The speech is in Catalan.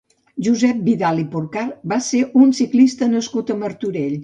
Josep Vidal i Porcar va ser un ciclista nascut a Martorell.